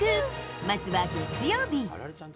まずは月曜日。